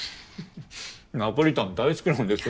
ナポリタン大好きなんです。